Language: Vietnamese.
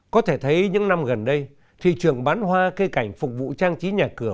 có thể thấy những năm gần đây thị trường bán hoa cây cảnh phục vụ trang trí nhà cửa